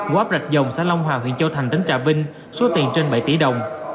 quáp rạch dòng xã long hòa huyện châu thành tỉnh trà vinh số tiền trên bảy tỷ đồng